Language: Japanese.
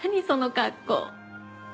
その格好。